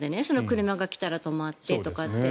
車が来たら止まってとかって。